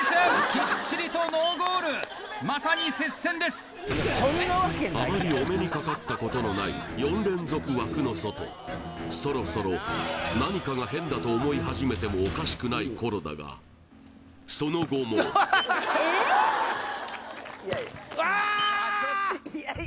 きっちりとノーゴールまさに接戦ですあまりお目にかかったことのない４連続枠の外そろそろ何かが変だと思い始めてもおかしくない頃だがその後もわっ！